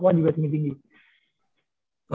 papua juga tinggi tinggi